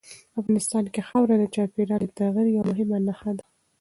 افغانستان کې خاوره د چاپېریال د تغیر یوه مهمه نښه ده.